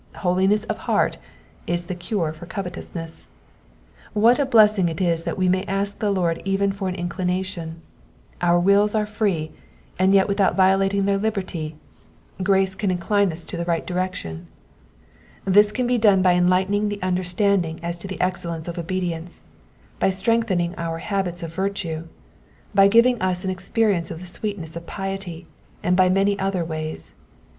Holiness of heart is the cure for covetousness. What a blessing it is that we may ask the Lord even for an inclination. Our wills are free, and yet without violating their liberty, grace can incline us in the right Digitized by VjOOQIC PSALM ONE HUNDRED AKD NINETEEN— VERSES 33 TO 40. 95 direction. This can be done by enlightening the understanding as to the excellence of obedience, by strengthening our habits of virtue, by giving us an experience of the sweetness of piety, and by many other ways.